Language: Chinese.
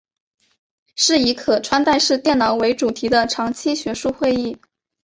是以可穿戴式电脑为主题的长期学术会议。